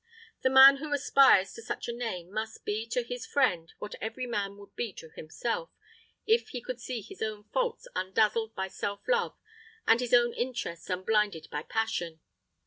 The man who aspires to such a name must be to his friend what every man would be to himself, if he could see his own faults undazzled by self love and his own interests unblinded by passion.